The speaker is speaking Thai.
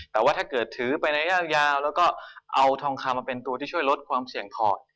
แต่ว่าถ้าเกิดถือไประยะยาวแล้วก็เอาทองคำมาเป็นตัวที่ช่วยลดความเสี่ยงถอด